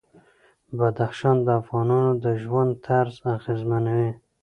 بدخشان د افغانانو د ژوند طرز اغېزمنوي.